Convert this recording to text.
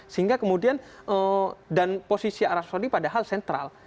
sehingga kemudian dan posisi arab saudi padahal sentral